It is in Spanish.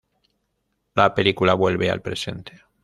La película vuelve al presente.